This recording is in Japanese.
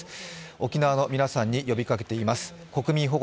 沖縄の皆さんに呼びかけています。